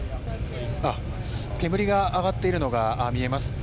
煙が上がっているのが見えます。